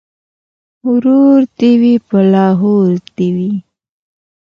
ـ ورور دې وي په لاهور دې وي.